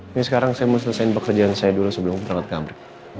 ini sekarang saya mau selesaiin pekerjaan saya dulu sebelum berangkat ke kamar